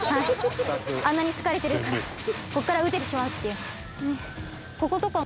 あんなに疲れてるからここからうててしまうっていう。